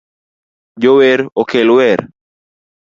Jower okel wer